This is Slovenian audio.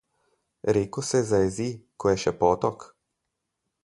Reko se zajezi, ko je še potok.